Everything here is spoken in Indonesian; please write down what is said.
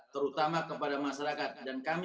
terutama kepada masyarakat dan kami